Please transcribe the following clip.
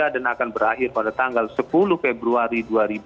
dan akan berakhir pada tanggal sepuluh februari dua ribu dua puluh empat